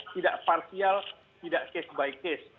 tidak parsial tidak case by case